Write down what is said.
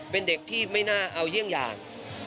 เป็นเด็กที่ไม่น่าเอาเยี่ยงอย่าง